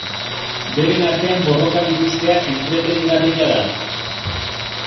Beren artean borrokan ikustea entretenigarria da.